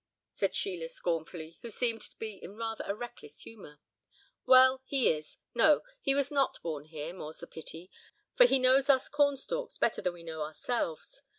said Sheila scornfully, who seemed to be in rather a reckless humour. "Well! he is. No! he was not born here, more's the pity, for he knows us cornstalks better than we know ourselves.